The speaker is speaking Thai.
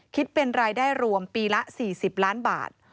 คิดเป็นรายได้รวมปีละ๔๐ล้านบาท